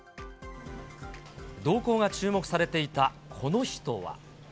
動向が注目されていたこの人は。